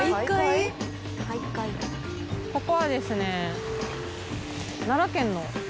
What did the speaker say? ここはですね。